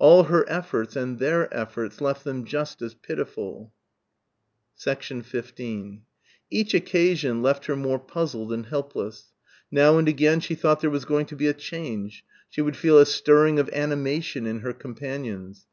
All her efforts and their efforts left them just as pitiful. 15 Each occasion left her more puzzled and helpless. Now and again she thought there was going to be a change. She would feel a stirring of animation in her companions.